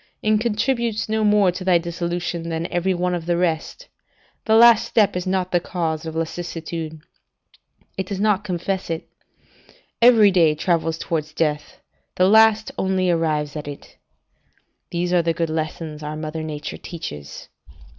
it contributes no more to thy dissolution, than every one of the rest: the last step is not the cause of lassitude: it does not confess it. Every day travels towards death; the last only arrives at it." These are the good lessons our mother Nature teaches.